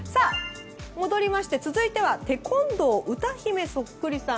戻りまして、続いてはテコンドー歌姫そっくりさん。